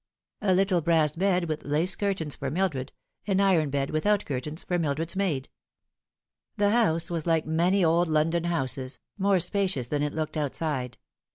A little brass bed, with lace curtains, for Mildred an iron bed, without curtains, for Mildred's maid. The house was like many old London houses : more spacious than it looked outside.